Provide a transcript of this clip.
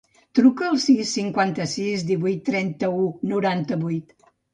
Truca al sis, cinquanta-sis, divuit, trenta-u, noranta-vuit.